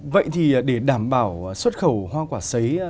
vậy thì để đảm bảo xuất khẩu hoa quả xấy